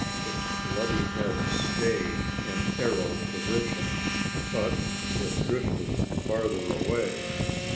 Its bloody head stayed in arrow position, but it drifted farther away.